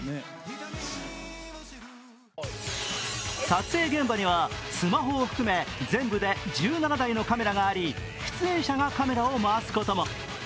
撮影現場にはスマホを含め全部で１７台のカメラがあり出演者がカメラを回すことも。